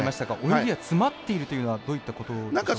泳ぎが詰まっているというのはどういったことですか。